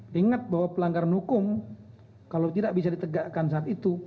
dan jadi ada cheats